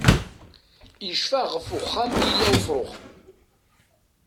Icfa ɣef uxxam i yella ufrux.